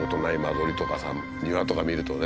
庭とか見るとね。